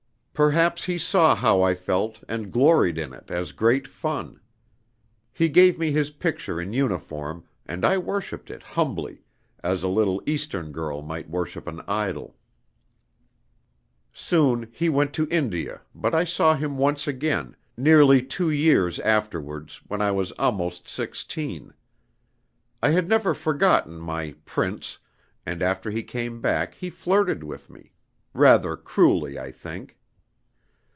"Perhaps he saw how I felt, and gloried in it as great fun. He gave me his picture in uniform, and I worshiped it humbly, as a little Eastern girl might worship an idol. Soon he went to India, but I saw him once again, nearly two years afterwards, when I was almost sixteen. I had never forgotten my 'prince,' and after he came back he flirted with me rather cruelly, I think.